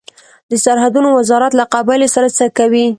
د سرحدونو وزارت له قبایلو سره څه کوي؟